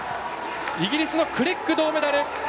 イギリスのクレッグ、銅メダル。